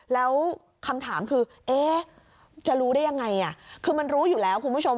แล้วคำถามคือเอ๊ะจะรู้ได้ยังไงคือมันรู้อยู่แล้วคุณผู้ชม